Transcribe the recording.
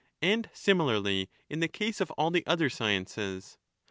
And similarly in the case of all the other sciences.